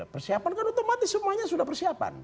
persiapan kan otomatis semuanya sudah persiapan